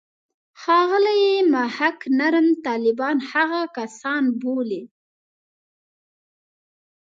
ښاغلی محق نرم طالبان هغه کسان بولي.